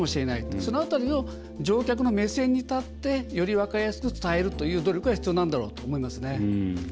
その辺りを乗客の目線に立ってより分かりやすく伝える努力は必要だろうと思いますね。